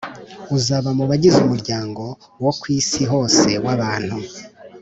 Uzaba mu bagize umuryango wo ku isi hose w abantu